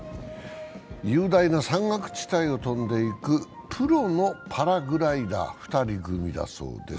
雄大な山岳地帯を飛んでいくプロのパラグライダー２人組だそうです。